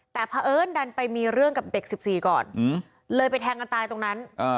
แต่เพราะเอิ้นดันไปมีเรื่องกับเด็ก๑๔ก่อนเลยไปแทงกันตายตรงนั้น